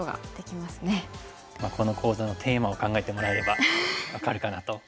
まあこの講座のテーマを考えてもらえれば分かるかなと。